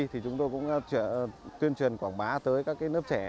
thì chúng tôi cũng tuyên truyền quảng bá tới các nước trẻ